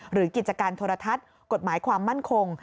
กิจการโทรทัศน์กฎหมายความมั่นคง